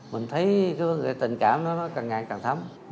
mình thấy tình cảm nó càng ngày càng thấm